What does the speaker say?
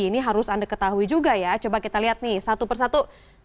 ini harus anda ketahui juga ya coba kita lihat nih satu persatu